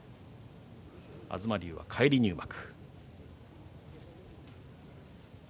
東龍は返り入幕。